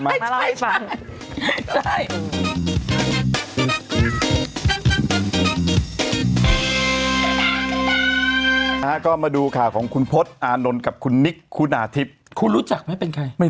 ก็ถามว่าฉันปั่นให้เด็กออกจากพลดว่า